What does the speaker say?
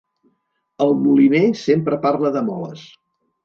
El moliner sempre parla de moles.